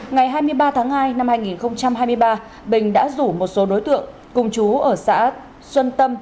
ngày hai mươi ba tháng hai năm hai nghìn hai mươi ba bình đã rủ một số đối tượng cùng chú ở xã xuân tâm